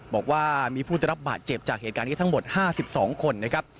บอกว่ามีผู้ได้รับบาดเจ็บจากเหตุการณ์นี้ทั้งหมด๕๒คนนะครับ